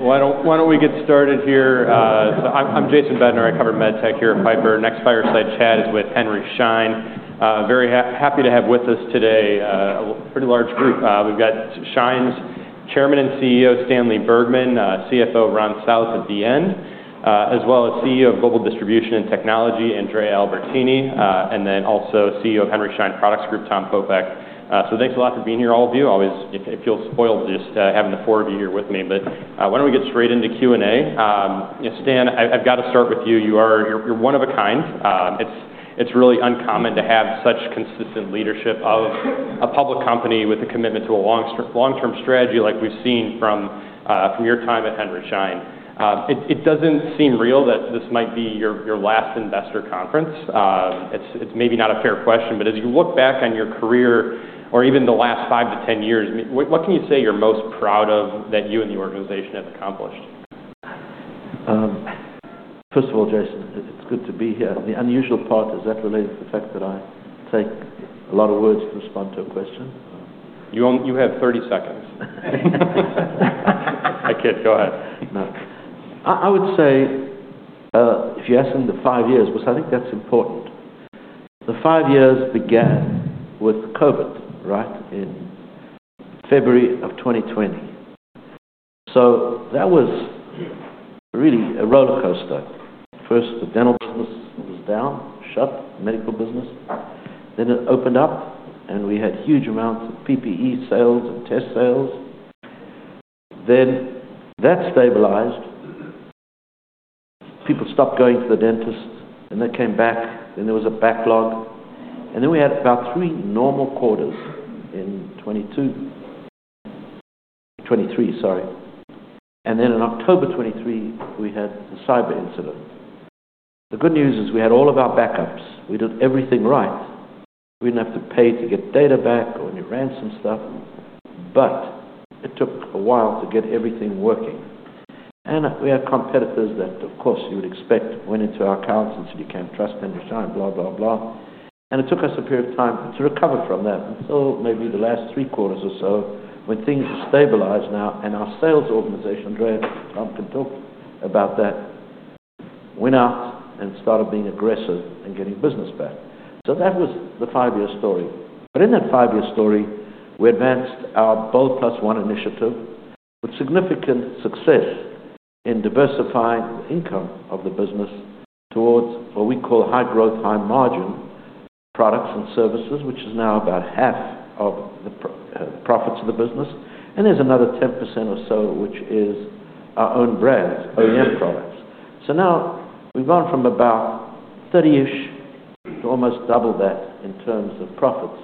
All right. Why don't we get started here? I am Jason Bedner. I cover MedTech here at Piper. Next fireside chat is with Henry Schein. Very happy to have with us today a pretty large group. We have Schein's Chairman and CEO, Stanley Bergman; CFO, Ron South at the end; as well as CEO of Global Distribution and Technology, Andrea Albertini; and then also CEO of Henry Schein Products Group, Tom Popeck. Thanks a lot for being here, all of you. I feel spoiled just having the four of you here with me. Why don't we get straight into Q&A? Stan, I have got to start with you. You are one of a kind. It is really uncommon to have such consistent leadership of a public company with a commitment to a long-term strategy like we have seen from your time at Henry Schein. It doesn't seem real that this might be your last investor conference. It's maybe not a fair question. As you look back on your career or even the last five to ten years, what can you say you're most proud of that you and the organization have accomplished? First of all, Jason, it's good to be here. The unusual part is that related to the fact that I take a lot of words to respond to a question. You have 30 seconds. I kid. Go ahead. I would say if you asked me the five years, which I think that's important, the five years began with COVID in February of 2020. That was really a roller coaster. First, the dental business was down, shut, medical business. It opened up, and we had huge amounts of PPE sales and test sales. That stabilized. People stopped going to the dentist, and they came back. There was a backlog. We had about three normal quarters in 2022, 2023, sorry. In October 2023, we had the cyber incident. The good news is we had all of our backups. We did everything right. We did not have to pay to get data back or any ransom stuff. It took a while to get everything working. We had competitors that, of course, you would expect went into our accounts and said, "You can't trust Henry Schein," blah, blah, blah. It took us a period of time to recover from that until maybe the last three quarters or so when things stabilized now. Our sales organization, Andrea can talk about that, went out and started being aggressive and getting business back. That was the five-year story. In that five-year story, we advanced our BOLD+1 initiative with significant success in diversifying the income of the business towards what we call high-growth, high-margin products and services, which is now about half of the profits of the business. There is another 10% or so, which is our own brands, OEM products. Now we've gone from about 30-ish to almost double that in terms of profits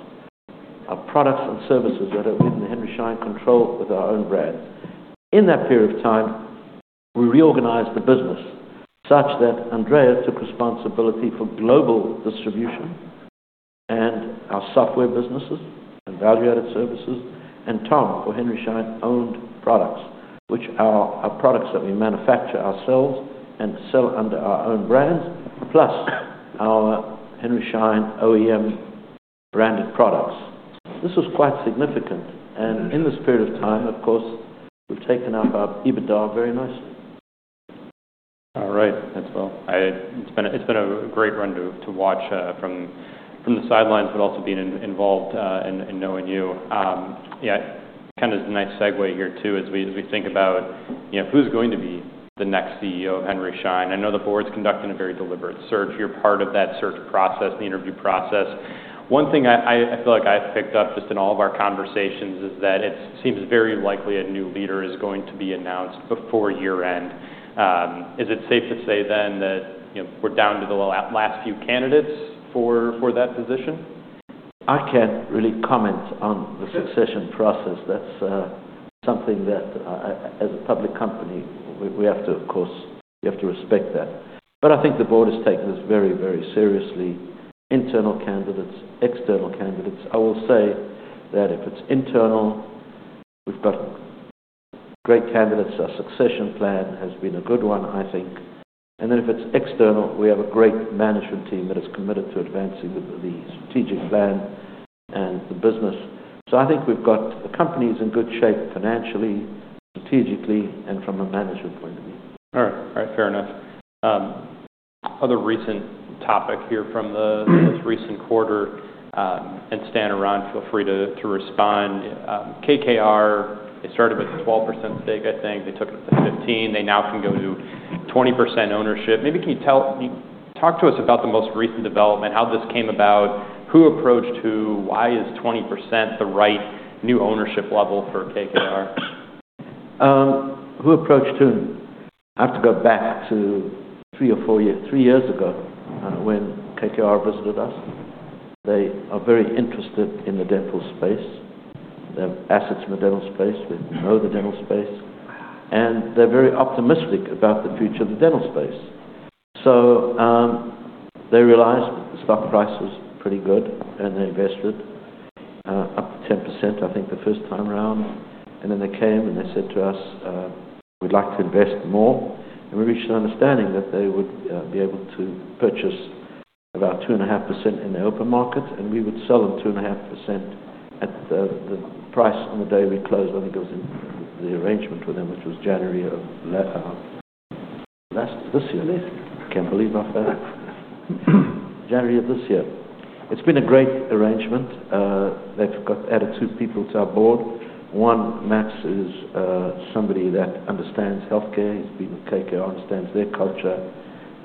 of products and services that are in the Henry Schein control with our own brand. In that period of time, we reorganized the business such that Andrea took responsibility for global distribution and our software businesses and value-added services, and Tom, for Henry Schein owned products, which are products that we manufacture ourselves and sell under our own brands, plus our Henry Schein OEM branded products. This was quite significant. In this period of time, of course, we've taken up our EBITDA very nicely. All right. It's been a great run to watch from the sidelines, but also being involved and knowing you. Yeah, kind of as a nice segue here too, as we think about who's going to be the next CEO of Henry Schein. I know the Board's conducting a very deliberate search. You're part of that search process, the interview process. One thing I feel like I've picked up just in all of our conversations is that it seems very likely a new leader is going to be announced before year-end. Is it safe to say then that we're down to the last few candidates for that position? I can't really comment on the succession process. That's something that, as a public company, we have to, of course, we have to respect that. I think the Board is taking this very, very seriously: internal candidates, external candidates. I will say that if it's internal, we've got great candidates. Our succession plan has been a good one, I think. If it's external, we have a great management team that is committed to advancing the strategic plan and the business. I think we've got the company is in good shape financially, strategically, and from a management point of view. All right. All right. Fair enough. Other recent topic here from the most recent quarter, and Stan or Ron feel free to respond. KKR, they started with a 12% stake, I think. They took it up to 15. They now can go to 20% ownership. Maybe can you talk to us about the most recent development, how this came about, who approached who, why is 20% the right new ownership level for KKR? Who approached whom? I have to go back to three or four years, three years ago when KKR visited us. They are very interested in the dental space. They have assets in the dental space. They know the dental space. They are very optimistic about the future of the dental space. They realized the stock price was pretty good, and they invested up to 10%, I think, the first time around. They came and they said to us, "We'd like to invest more." We reached an understanding that they would be able to purchase about 2.5% in the open market, and we would sell them 2.5% at the price on the day we closed. I think it was the arrangement with them, which was January of this year. I can't believe I found out. January of this year. It's been a great arrangement. They've added two people to our board. One, Max, is somebody that understands healthcare. He's been with KKR, understands their culture,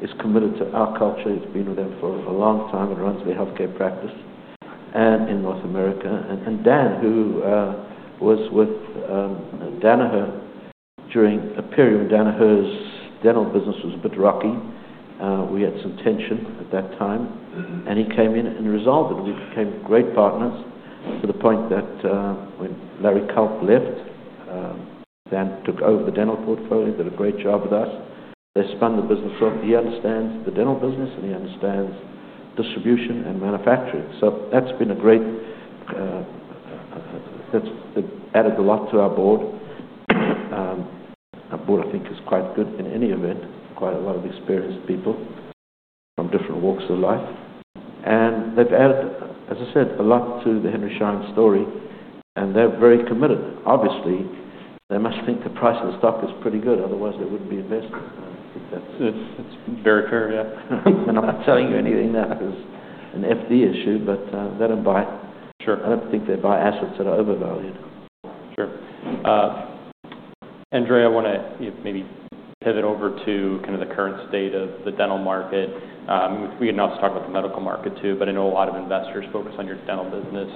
is committed to our culture. He's been with them for a long time. He runs the healthcare practice in North America. Dan, who was with Danaher during a period when Danaher's dental business was a bit rocky, we had some tension at that time. He came in and resolved it. We became great partners to the point that when Larry Culp left, Dan took over the dental portfolio. He did a great job with us. They spun the business off. He understands the dental business, and he understands distribution and manufacturing. That's been great, that's added a lot to our board. Our board, I think, is quite good in any event, quite a lot of experienced people from different walks of life. They've added, as I said, a lot to the Henry Schein story, and they're very committed. Obviously, they must think the price of the stock is pretty good. Otherwise, they wouldn't be investing. It's very fair. Yeah. I'm not telling you anything that is an FD issue, but they don't buy. I don't think they buy assets that are overvalued. Sure. Andrea, I want to maybe pivot over to kind of the current state of the dental market. We can also talk about the medical market too, but I know a lot of investors focus on your dental business.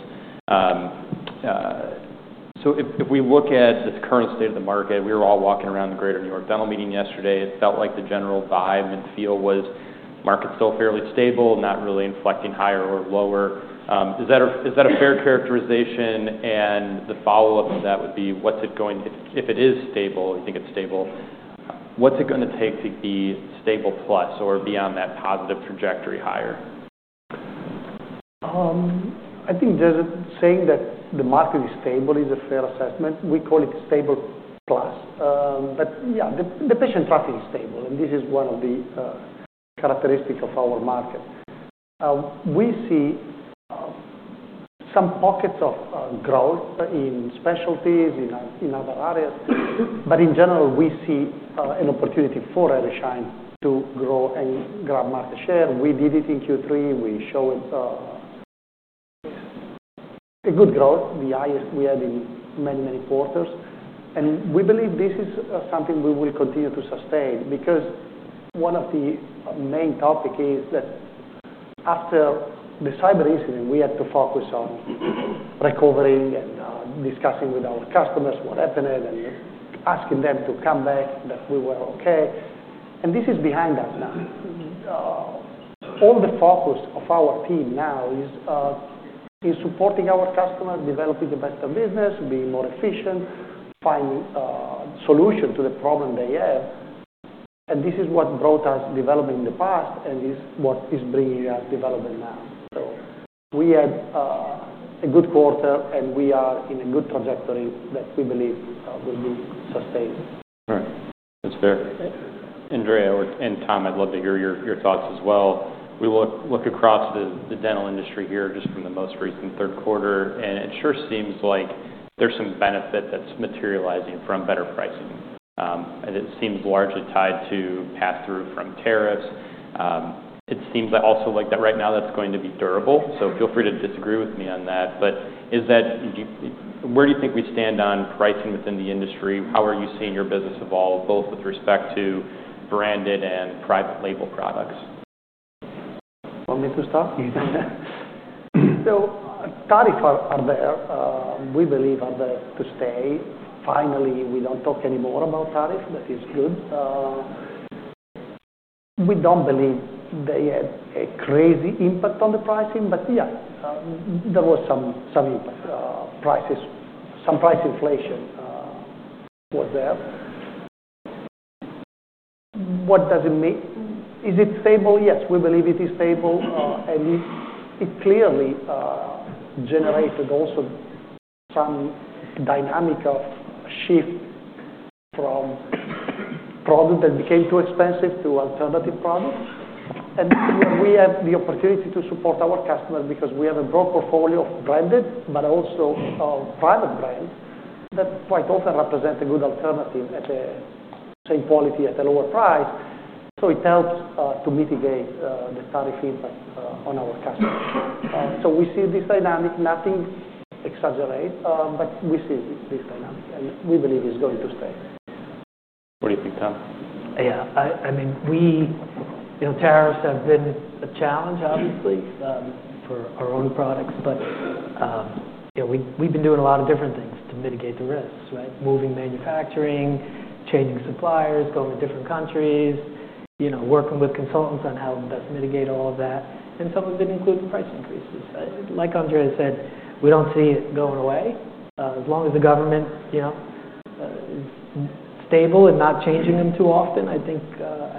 If we look at this current state of the market, we were all walking around the Greater New York Dental Meeting yesterday. It felt like the general vibe and feel was market still fairly stable, not really inflecting higher or lower. Is that a fair characterization? The follow-up to that would be, if it is stable, you think it's stable, what's it going to take to be stable plus or be on that positive trajectory higher? I think saying that the market is stable is a fair assessment. We call it stable plus. Yeah, the patient traffic is stable, and this is one of the characteristics of our market. We see some pockets of growth in specialties, in other areas. In general, we see an opportunity for Henry Schein to grow and grab market share. We did it in Q3. We showed a good growth, the highest we had in many, many quarters. We believe this is something we will continue to sustain because one of the main topics is that after the cyber incident, we had to focus on recovering and discussing with our customers what happened and asking them to come back that we were okay. This is behind us now. All the focus of our team now is supporting our customers, developing the best of business, being more efficient, finding solutions to the problem they have. This is what brought us development in the past, and this is what is bringing us development now. We had a good quarter, and we are in a good trajectory that we believe will be sustained. Right. That's fair. Andrea and Tom, I'd love to hear your thoughts as well. We look across the dental industry here just from the most recent third quarter, and it sure seems like there's some benefit that's materializing from better pricing. It seems largely tied to pass-through from tariffs. It seems also like that right now that's going to be durable. Feel free to disagree with me on that. Where do you think we stand on pricing within the industry? How are you seeing your business evolve, both with respect to branded and private label products? Want me to start? Yeah. Tariffs are there. We believe are there to stay. Finally, we don't talk anymore about tariffs. That is good. We don't believe they had a crazy impact on the pricing, but yeah, there was some price inflation was there. What does it mean? Is it stable? Yes, we believe it is stable. It clearly generated also some dynamic of shift from product that became too expensive to alternative products. We have the opportunity to support our customers because we have a broad portfolio of branded, but also private brands that quite often represent a good alternative at the same quality at a lower price. It helps to mitigate the tariff impact on our customers. We see this dynamic. Nothing exaggerates, but we see this dynamic, and we believe it's going to stay. What do you think, Tom? Yeah. I mean, tariffs have been a challenge, obviously, for our own products. We have been doing a lot of different things to mitigate the risks, right? Moving manufacturing, changing suppliers, going to different countries, working with consultants on how to best mitigate all of that. Some of it includes price increases. Like Andrea said, we do not see it going away. As long as the government is stable and not changing them too often, I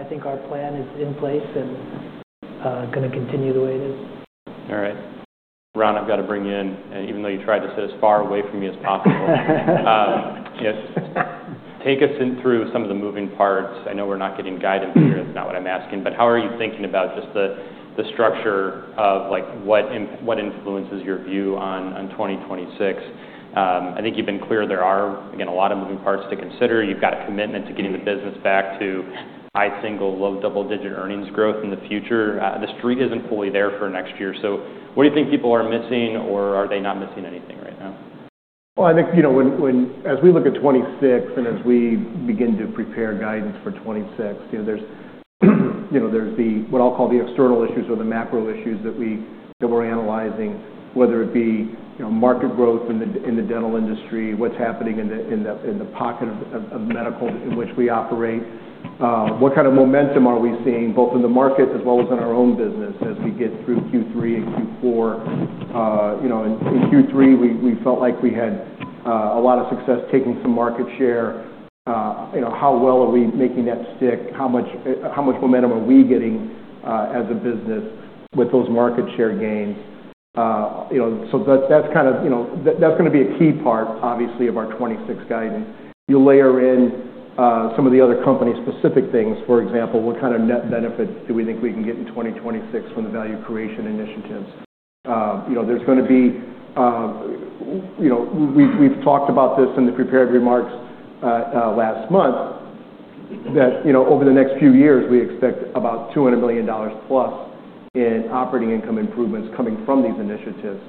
think our plan is in place and going to continue the way it is. All right. Ron, I've got to bring you in, even though you tried to sit as far away from me as possible. Take us through some of the moving parts. I know we're not getting guidance here. It's not what I'm asking. How are you thinking about just the structure of what influences your view on 2026? I think you've been clear there are, again, a lot of moving parts to consider. You've got a commitment to getting the business back to high single, low double-digit earnings growth in the future. The street isn't fully there for next year. What do you think people are missing, or are they not missing anything right now? I think as we look at 2026 and as we begin to prepare guidance for 2026, there's what I'll call the external issues or the macro issues that we're analyzing, whether it be market growth in the dental industry, what's happening in the pocket of medical in which we operate, what kind of momentum are we seeing both in the market as well as in our own business as we get through Q3 and Q4. In Q3, we felt like we had a lot of success taking some market share. How well are we making that stick? How much momentum are we getting as a business with those market share gains? That's going to be a key part, obviously, of our 2026 guidance. You layer in some of the other company-specific things. For example, what kind of net benefit do we think we can get in 2026 from the value creation initiatives? We have talked about this in the prepared remarks last month that over the next few years, we expect about $200 million-plus in operating income improvements coming from these initiatives.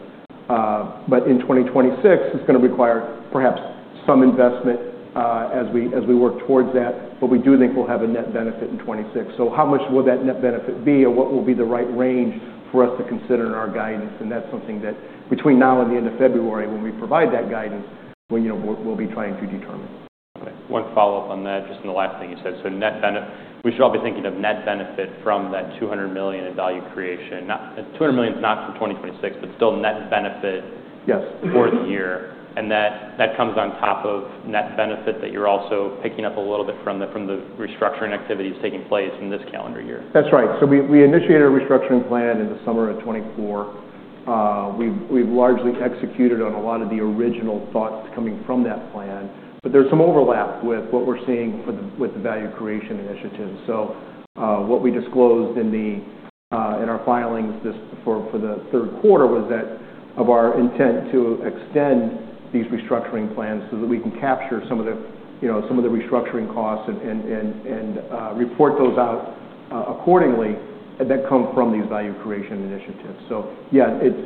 In 2026, it is going to require perhaps some investment as we work towards that. We do think we will have a net benefit in 2026. How much will that net benefit be, or what will be the right range for us to consider in our guidance? That is something that between now and the end of February, when we provide that guidance, we will be trying to determine. Okay. One follow-up on that, just on the last thing you said. We should all be thinking of net benefit from that $200 million in value creation. $200 million is not for 2026, but still net benefit for the year. That comes on top of net benefit that you're also picking up a little bit from the restructuring activities taking place in this calendar year. That's right. We initiated a restructuring plan in the summer of 2024. We've largely executed on a lot of the original thoughts coming from that plan. There is some overlap with what we're seeing with the value creation initiatives. What we disclosed in our filings for the third quarter was our intent to extend these restructuring plans so that we can capture some of the restructuring costs and report those out accordingly that come from these value creation initiatives.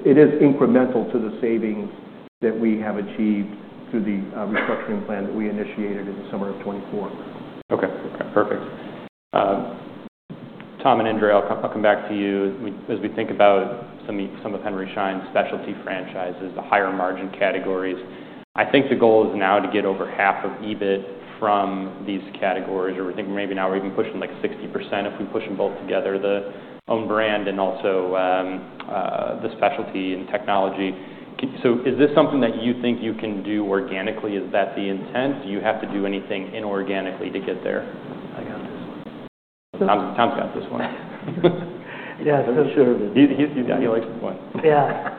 It is incremental to the savings that we have achieved through the restructuring plan that we initiated in the summer of 2024. Okay. Perfect. Tom and Andrea, I'll come back to you. As we think about some of Henry Schein's specialty franchises, the higher margin categories, I think the goal is now to get over half of EBIT from these categories. Or we think maybe now we're even pushing like 60% if we push them both together, the own brand and also the specialty and technology. Is this something that you think you can do organically? Is that the intent? Do you have to do anything inorganically to get there? I got this one. Tom's got this one. Yeah, I'm sure of it. He likes this one. Yeah.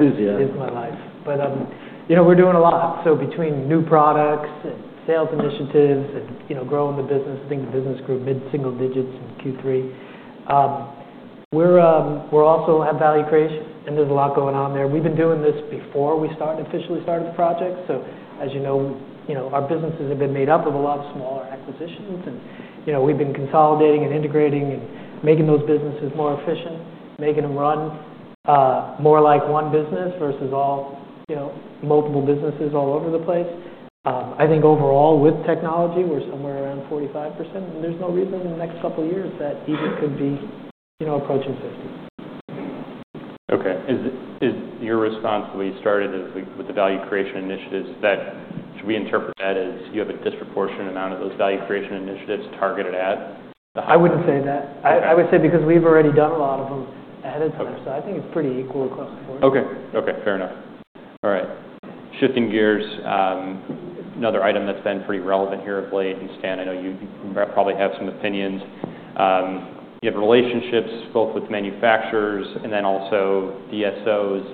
It is my life. We're doing a lot. Between new products and sales initiatives and growing the business, I think the business grew mid-single digits in Q3. We also have value creation, and there's a lot going on there. We've been doing this before we officially started the project. As you know, our businesses have been made up of a lot of smaller acquisitions. We've been consolidating and integrating and making those businesses more efficient, making them run more like one business versus multiple businesses all over the place. I think overall, with technology, we're somewhere around 45%. There's no reason in the next couple of years that EBIT could be approaching 50%. Okay. Is your response that we started with the value creation initiatives, should we interpret that as you have a disproportionate amount of those value creation initiatives targeted at? I wouldn't say that. I would say because we've already done a lot of them ahead of time. I think it's pretty equal across the board. Okay. Okay. Fair enough. All right. Shifting gears, another item that's been pretty relevant here of late, and Stan, I know you probably have some opinions. You have relationships both with manufacturers and then also DSOs.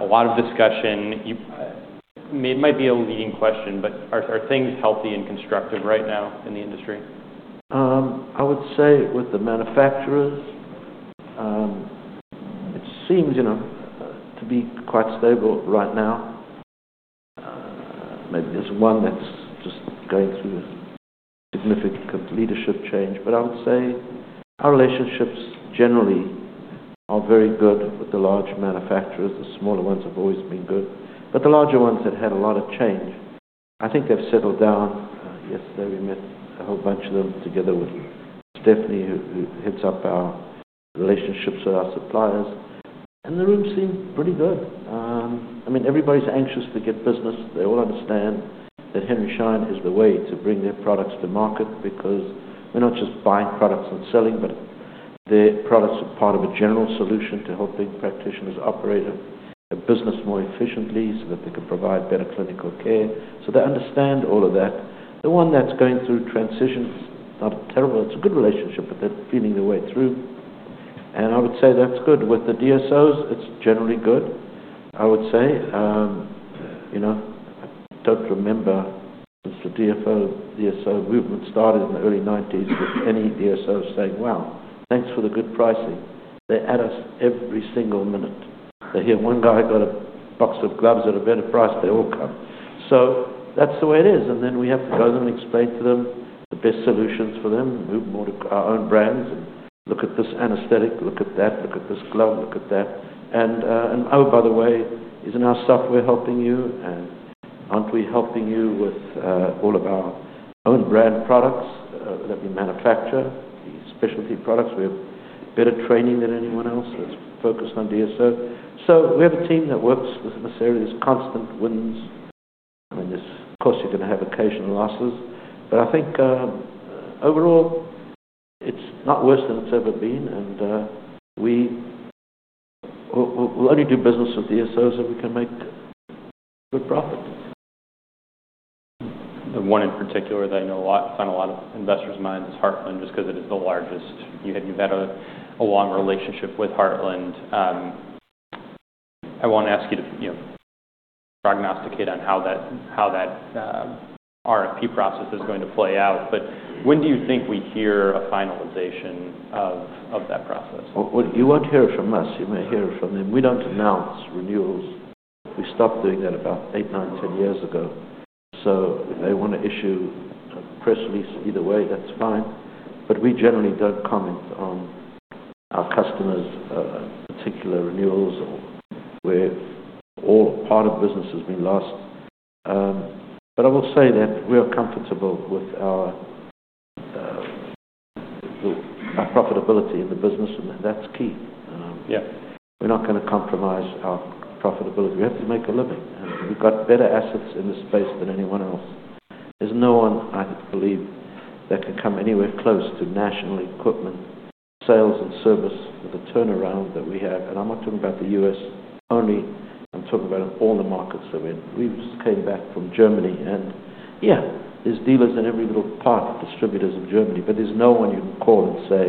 A lot of discussion. It might be a leading question, but are things healthy and constructive right now in the industry? I would say with the manufacturers, it seems to be quite stable right now. There's one that's just going through a significant leadership change. I would say our relationships generally are very good with the large manufacturers. The smaller ones have always been good. The larger ones that had a lot of change, I think they've settled down. Yesterday, we met a whole bunch of them together with Stephanie, who heads up our relationships with our suppliers. The room seemed pretty good. I mean, everybody's anxious to get business. They all understand that Henry Schein is the way to bring their products to market because we're not just buying products and selling, but their products are part of a general solution to helping practitioners operate a business more efficiently so that they can provide better clinical care. They understand all of that. The one that's going through transition is not terrible. It's a good relationship, but they're feeling their way through. I would say that's good. With the DSOs, it's generally good, I would say. I don't remember since the DSO movement started in the early 1990s with any DSO saying, "Well, thanks for the good pricing." They add us every single minute. They hear one guy got a box of gloves at a better price, they all come. That's the way it is. We have to go and explain to them the best solutions for them, move more to our own brands, and look at this anesthetic, look at that, look at this glove, look at that. Oh, by the way, isn't our software helping you? Aren't we helping you with all of our own brand products that we manufacture, the specialty products? We have better training than anyone else that's focused on DSO. We have a team that works with necessarily these constant wins. I mean, of course, you're going to have occasional losses. I think overall, it's not worse than it's ever been. We will only do business with DSOs if we can make good profit. The one in particular that I know found a lot of investors' minds is Heartland just because it is the largest. You've had a long relationship with Heartland. I won't ask you to prognosticate on how that RFP process is going to play out. When do you think we hear a finalization of that process? You won't hear it from us. You may hear it from them. We don't announce renewals. We stopped doing that about eight, nine, ten years ago. If they want to issue a press release either way, that's fine. We generally don't comment on our customers' particular renewals. All part of business has been lost. I will say that we are comfortable with our profitability in the business, and that's key. We're not going to compromise our profitability. We have to make a living. We've got better assets in this space than anyone else. There's no one, I believe, that can come anywhere close to national equipment sales and service with the turnaround that we have. I'm not talking about the U.S. only. I'm talking about all the markets that we're in. We just came back from Germany. Yeah, there's dealers in every little part, distributors in Germany. There's no one you can call and say,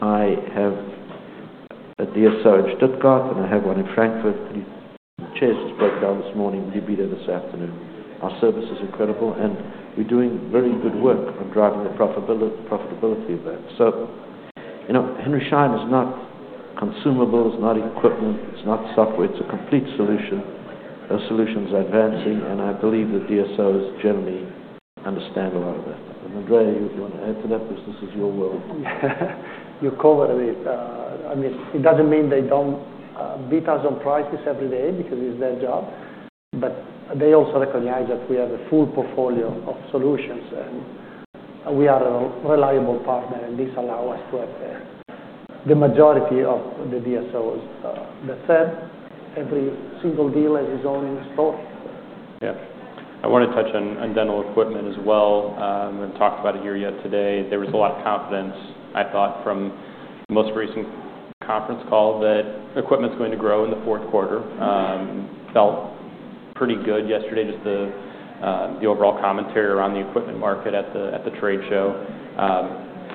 "I have a DSO in Stuttgart, and I have one in Frankfurt. The chairs just broke down this morning. Will you be there this afternoon?" Our service is incredible. We're doing very good work on driving the profitability of that. Henry Schein is not consumables. It's not equipment. It's not software. It's a complete solution. Those solutions are advancing. I believe the DSOs generally understand a lot of that. Andrea, you want to add to that? Because this is your world. You call it a bit. I mean, it doesn't mean they don't beat us on prices every day because it's their job. They also recognize that we have a full portfolio of solutions. We are a reliable partner. These allow us to have the majority of the DSOs that said every single deal has its own store. Yeah. I want to touch on dental equipment as well. We haven't talked about it here yet today. There was a lot of confidence, I thought, from the most recent conference call that equipment's going to grow in the fourth quarter. It felt pretty good yesterday, just the overall commentary around the equipment market at the trade show.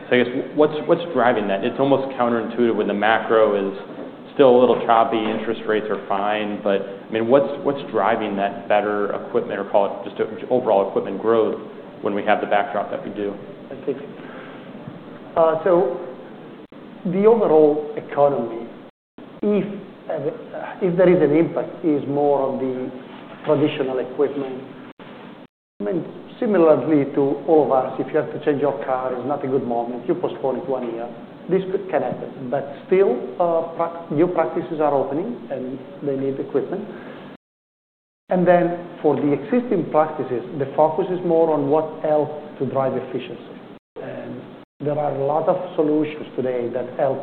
I guess what's driving that? It's almost counterintuitive when the macro is still a little choppy. Interest rates are fine. I mean, what's driving that better equipment, or call it just overall equipment growth, when we have the backdrop that we do? I think the overall economy, if there is an impact, is more on the traditional equipment. I mean, similarly to all of us, if you have to change your car, it's not a good moment. You postpone it one year. This can happen. Still, new practices are opening, and they need equipment. For the existing practices, the focus is more on what helps to drive efficiency. There are a lot of solutions today that help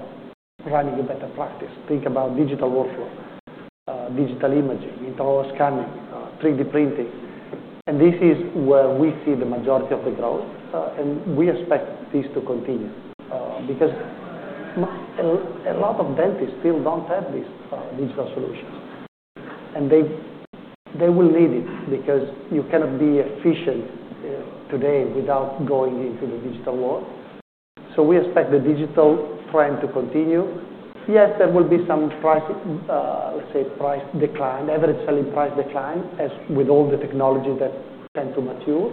running a better practice. Think about digital workflow, digital imaging, internal scanning, 3D printing. This is where we see the majority of the growth. We expect this to continue because a lot of dentists still don't have these digital solutions. They will need it because you cannot be efficient today without going into the digital world. We expect the digital trend to continue. Yes, there will be some, let's say, price decline, average selling price decline, as with all the technology that tends to mature.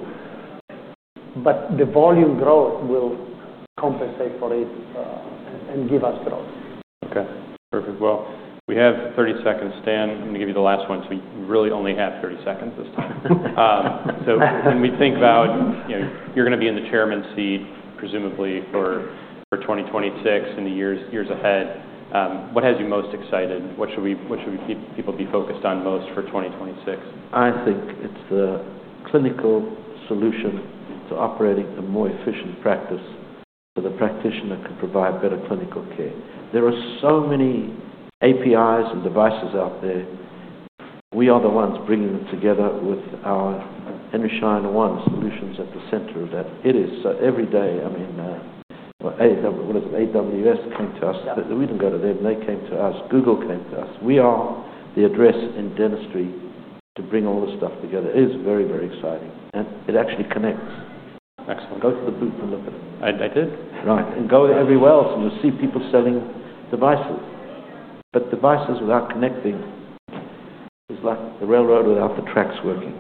The volume growth will compensate for it and give us growth. Okay. Perfect. We have 30 seconds, Stan. I'm going to give you the last one. We really only have 30 seconds this time. When we think about you're going to be in the chairman's seat, presumably, for 2026 and the years ahead, what has you most excited? What should people be focused on most for 2026? I think it's the clinical solution to operating a more efficient practice so the practitioner can provide better clinical care. There are so many APIs and devices out there. We are the ones bringing them together with our Henry Schein One solutions at the center of that. It is so every day, I mean, what is it? AWS came to us. We didn't go to them. They came to us. Google came to us. We are the address in dentistry to bring all this stuff together. It is very, very exciting. It actually connects. Excellent. Go to the booth and look at it. I did. Right. You go everywhere else and just see people selling devices. Devices without connecting is like the railroad without the tracks working.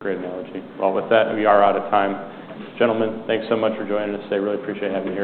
Great analogy. With that, we are out of time. Gentlemen, thanks so much for joining us today. Really appreciate having you here.